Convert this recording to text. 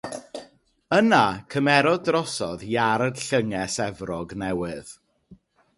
Yna cymerodd drosodd Iard Llynges Efrog Newydd.